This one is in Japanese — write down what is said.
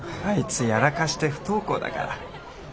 あいつやらかして不登校だから。